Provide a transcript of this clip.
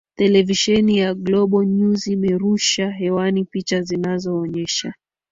Televisheni ya GloboNews imerusha hewani picha zinazoonyesha